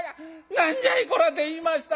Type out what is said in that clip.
『何じゃいこら』って言いました！」。